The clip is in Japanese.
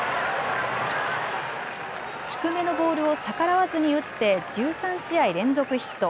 低めのボールを逆らわずに打って１３試合連続ヒット。